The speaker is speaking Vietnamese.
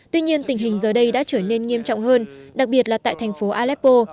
tuy nhiên tình hình giờ đây đã trở nên nghiêm trọng hơn đặc biệt là tại thành phố aleppo